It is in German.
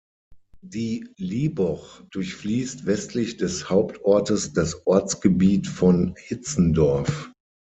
Die Lieboch durchfließt westlich des Hauptortes das Ortsgebiet von Hitzendorf.